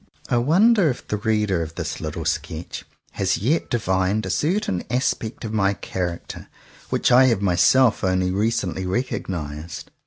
I wonder if the reader of this little sketch has yet divined a certain aspect of my character which I have myself only recently recognized